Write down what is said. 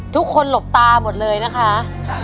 ทุกคนหลบตาหมดเลยนะคะ